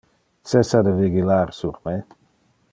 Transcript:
Cessa de vigilar sur me.